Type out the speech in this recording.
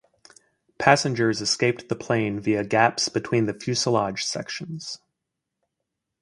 Passengers escaped the plane via gaps between the fuselage sections.